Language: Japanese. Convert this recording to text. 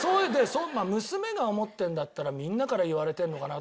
娘が思ってるんだったらみんなから言われてるのかなと思って。